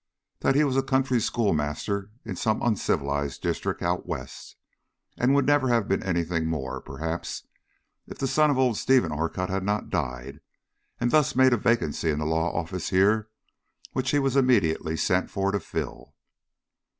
That he was a country schoolmaster in some uncivilized district out West, and would never have been any thing more, perhaps, if the son of old Stephen Orcutt had not died, and thus made a vacancy in the law office here which he was immediately sent for to fill."